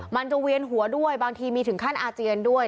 มันจะเวียนหัวด้วยบางทีมีถึงขั้นอาเจียนด้วย